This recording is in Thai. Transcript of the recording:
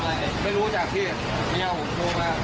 ไม่รู้จักพี่